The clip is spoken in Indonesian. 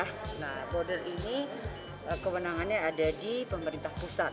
nah border ini kewenangannya ada di pemerintah pusat